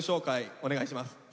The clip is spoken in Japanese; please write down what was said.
お願いします。